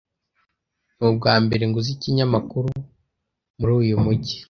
Ni ubwambere nguze ikinyamakuru muri uyu mujyi.